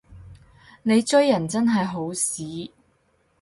你追人真係好屎